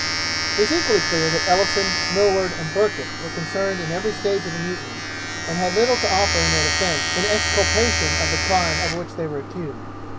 It is equally clear, that Ellison, Millward, and Burkitt, were concerned in every stage of the mutiny, and had little to offer in their defence in exculpation of the crime of which they were accused.